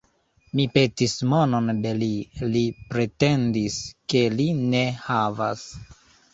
Mi petis monon de li; li pretendis, ke li ne havas.